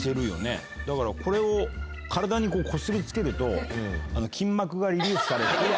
だからこれを体にこうこすりつけると筋膜がリリースされて。